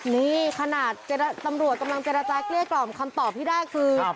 นี่ขนาดตำรวจกำลังเจรจาเกลี้ยกล่อมคำตอบที่ได้คือ